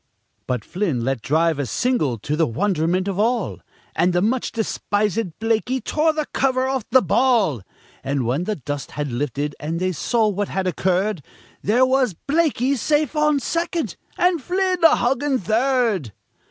But Flynn let drive a single to the wonderment of all, And the much despisèd Blaikie tore the cover off the ball; And when the dust had lifted, and they saw what had occurred, There was Blaikie safe on second and Flynn a hugging third!